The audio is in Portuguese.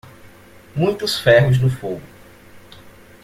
Muitos ferros no fogo.